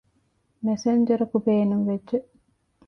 މެސެންޖަރަކު ބޭނުންވެއްޖެ